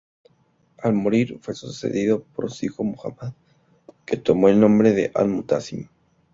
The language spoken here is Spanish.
Al morir fue sucedido por su hijo Muhámmad, que tomó el nombre de Al-Mutásim.